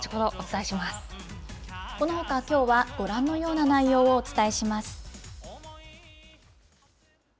このほかきょうは、ご覧のような内容をお伝えします。